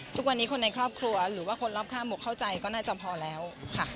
ทุกวันนี้คนในครอบครัวหรือว่าคนรอบข้างหมกเข้าใจก็น่าจะพอแล้วค่ะ